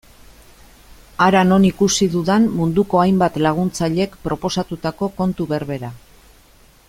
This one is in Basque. Hara non ikusi dudan munduko hainbat laguntzailek proposatutako kontu berbera.